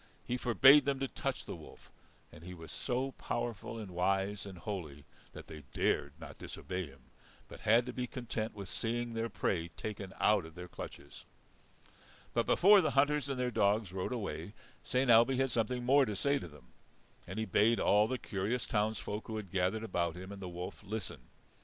He forbade them to touch the wolf. And he was so powerful and wise and holy that they dared not disobey him, but had to be content with seeing their prey taken out of their clutches. But before the hunters and their dogs rode away, Saint Ailbe had something more to say to them. And he bade all the curious towns folk who had gathered about him and the wolf listen.